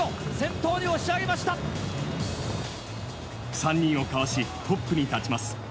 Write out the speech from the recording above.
３人をかわしトップに立ちます。